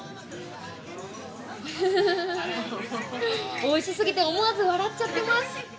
おいしすぎて思わず笑っちゃってます！